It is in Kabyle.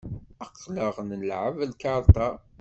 Aql-aɣ nleεεeb lkarṭa.